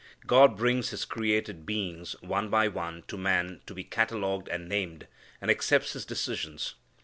God brings His created beings one by one to man to be catalogued and named, and accepts his decisions.